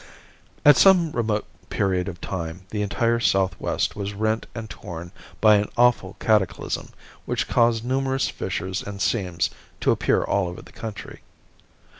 At some remote period of time the entire southwest was rent and torn by an awful cataclysm which caused numerous fissures and seams to appear all over the country.